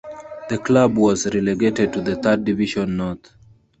The club was relegated to the Third Division North.